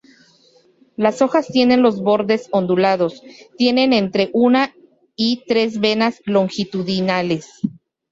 Las hojas tienen los bordes ondulados, tienen entre una y tres venas longitudinales.